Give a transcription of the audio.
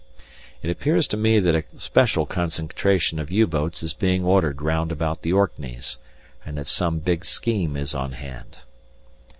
It appears to me that a special concentration of U boats is being ordered round about the Orkneys, and that some big scheme is on hand.